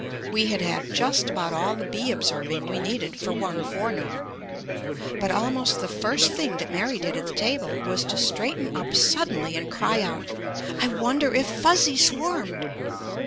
We had had just about all the bee observing we needed for one forenoon. But almost the first thing that Mary did at the table was to straighten up suddenly and cry out, "I wonder if Fuzzy swarmed!"